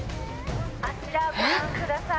あちらご覧ください。